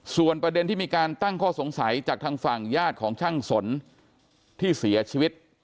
ส่วนประเด็นที่มีการตั้งข้อสงสัยจากทางฝั่งญาติของช่างสนที่เสียชีวิต